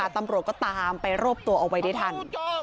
ตำรวจก็ตามไปรวบตัวเอาไว้ได้ทัน